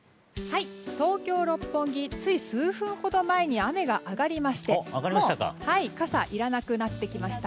東京・六本木つい数分ほど前に雨が上がりまして傘がいらなくなってきました。